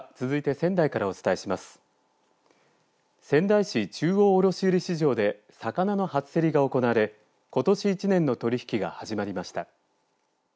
仙台市中央卸売市場で魚の初競りが行われことし１年の取り引きが始まりました。